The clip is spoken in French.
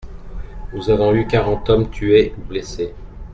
Nous avons eu quarante hommes tués ou blessés.